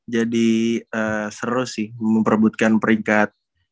jadi seru sih memperebutkan peringkat